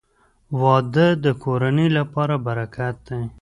• واده د کورنۍ لپاره برکت دی.